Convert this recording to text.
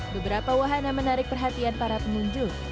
beberapa wahana menarik perhatian para pengunjung